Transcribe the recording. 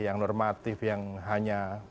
yang normatif yang hanya